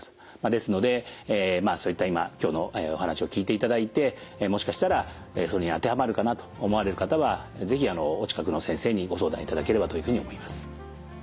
ですのでそういった今今日のお話を聞いていただいてもしかしたらそういうのに当てはまるかなと思われる方は是非お近くの先生にご相談いただければというふうに思います。